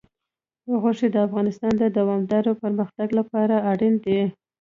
غوښې د افغانستان د دوامداره پرمختګ لپاره اړین دي.